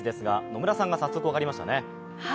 野村さんが早速分かりましたね。